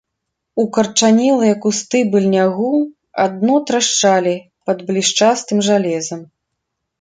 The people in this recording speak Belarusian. Укарчанелыя кусты быльнягу адно трашчалі пад блішчастым жалезам.